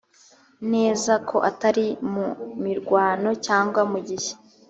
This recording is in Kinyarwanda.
neza ko atari mu mirwano cyangwa mu gihe